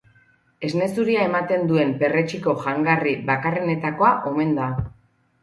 Esne zuria ematen duen perretxiko jangarri bakarrenetakoa omen da.